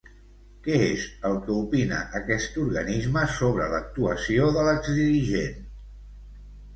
Què és el que opina aquest organisme sobre l'actuació de l'exdirigent?